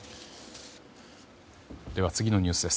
では、次のニュースです。